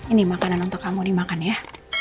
ini makanan untuk kamu dimakan ya